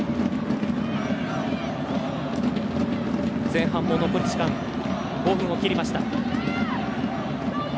前半も残り時間５分を切りました。